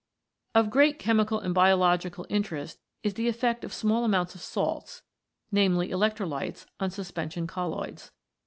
Of great chemical and biological interest is the effect of small amounts of salts, i.e. electrolytes, on suspension colloids.